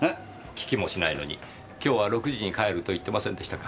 聞きもしないのに今日は６時に帰ると言ってませんでしたか？